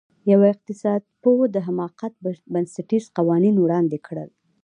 یوه اقتصادپوه د حماقت بنسټیز قوانین وړاندې کړل.